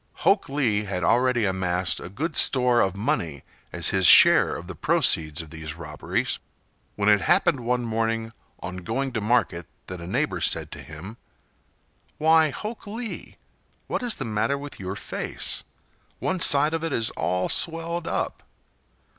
Hok Lee had already amassed a good store of money as his share of the proceeds of these robberies, when it happened one morning on going to market that a neighbor said to him: "Why, Hok Lee, what is the matter with your face? One side of it is all swelled up."